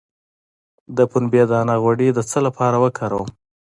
د پنبې دانه غوړي د څه لپاره وکاروم؟